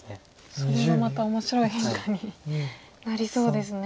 それはまた面白い変化になりそうですね。